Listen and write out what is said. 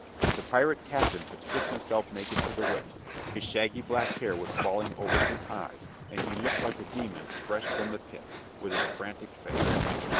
The pirate captain had stripped himself naked to the waist. His shaggy black hair was falling over his eyes, and he looked like a demon fresh from the pit, with his frantic face.